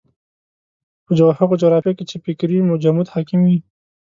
په هغو جغرافیو کې چې فکري جمود حاکم وي.